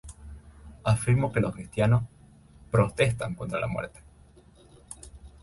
Afirmó que los cristianos "protestan contra la muerte".